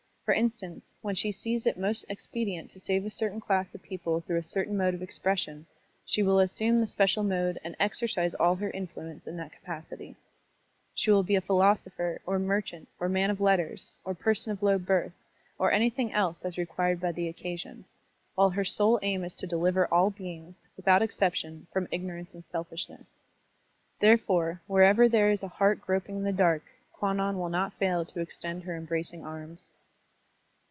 For instance, when she sees it most expedient to save a certain class of people through a certain mode of expres sion, she will asstmie the special mode and exercise all her influence in that capacity. She will be a philosopher, or merchant, or man of letters, or person of low birth, or anything else Digitized by Google 1 68 SERMONS OF A BUDDHIST ABBOT as reqtiired by the occasion, while her sole aim is to deKver all beings, without exception, from ignorance and selfishness. Therefore, wherever there is a heart groping in the dark, Kwannon will not fail to extend her embracing arms.